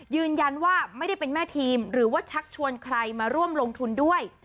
ยืนยันว่าไม่ได้เป็นแม่ทีมหรือว่าชักชวนใครมาร่วมลงทุนด้วย